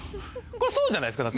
これそうじゃないですか。